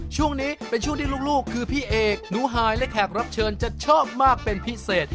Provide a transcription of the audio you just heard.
ช่วงนี้เป็นช่วงที่ลูกคือพี่เอกหนูหายและแขกรับเชิญจะชอบมากเป็นพิเศษ